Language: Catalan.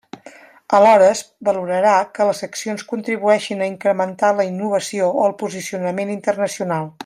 Alhora es valorarà que les accions contribueixin a incrementar la innovació o el posicionament internacional.